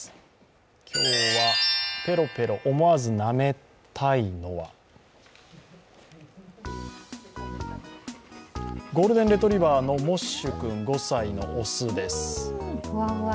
今日は、ペロペロ、思わずなめたいのはゴールデンレトリーバーのモッシュくん、５歳、オスです。